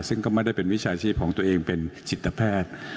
ซึ่งก็ไม่ได้เป็นวิชาชีพของตัวเองเป็นจิตแพทย์